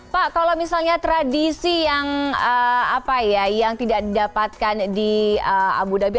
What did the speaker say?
pak kalau misalnya tradisi yang tidak didapatkan di abu dhabi